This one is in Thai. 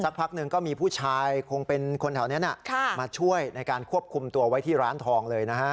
พักหนึ่งก็มีผู้ชายคงเป็นคนแถวนั้นมาช่วยในการควบคุมตัวไว้ที่ร้านทองเลยนะฮะ